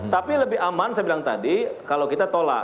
tapi lebih aman saya bilang tadi kalau kita tolak